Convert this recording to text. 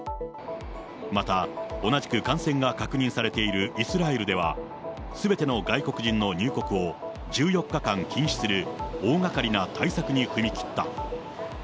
また、同じく感染が確認されているイスラエルでは、すべての外国人の入国を１４日間禁止する大がかりな対策に踏み切った。